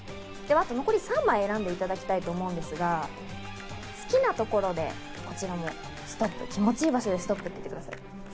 残り３枚を選んでいただきたいと思うんですが、好きなところで、こちらもストップ、気持ち良い場所でストップ！と言ってください。